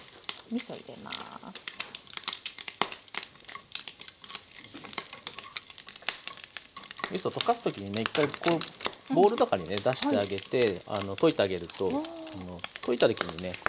みそ溶かす時にね１回こうボウルとかにね出してあげて溶いてあげると溶いた時にね